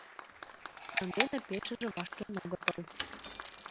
Сандене пешыже вашкен огытыл.